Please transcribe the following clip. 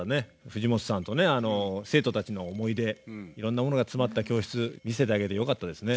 藤本さんとね生徒たちの思い出いろんなものが詰まった教室見せてあげれてよかったですね。